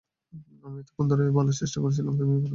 আমি এতক্ষণ ধরে বলার চেষ্টা করছিলাম তুমি এই পরিবারেরই অংশ।